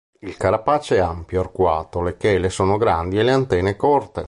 Il carapace è ampio, arcuato; le chele sono grandi e le antenne corte.